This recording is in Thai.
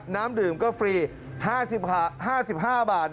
น้ำดื่มก็ฟรี๕๕บาท